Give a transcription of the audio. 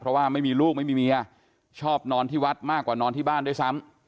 เพราะว่าไม่มีลูกไม่มีเมียชอบนอนที่วัดมากกว่านอนที่บ้านด้วยซ้ำ